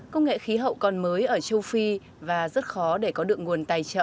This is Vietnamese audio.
công nghệ khí hậu còn mới ở châu phi và rất khó để có được nguồn tài trợ